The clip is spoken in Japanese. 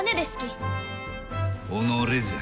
己じゃ。